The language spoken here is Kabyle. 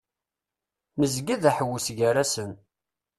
Nezga d aḥewwes gar-asen.